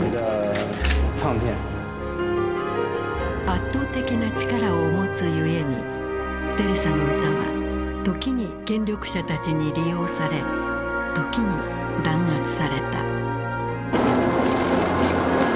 圧倒的な力を持つゆえにテレサの歌は時に権力者たちに利用され時に弾圧された。